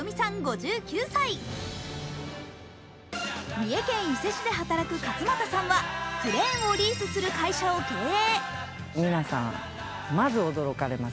三重県伊勢市で働く勝又さんはクレーンをリースする会社を経営。